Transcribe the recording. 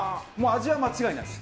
味は間違いないです。